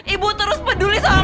ibu terus peduli sama meka